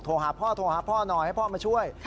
โทรหาพ่อโทรหาพ่อหน่อยให้พ่อมาช่วย